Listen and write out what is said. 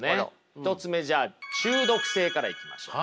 １つ目じゃあ中毒性からいきましょう。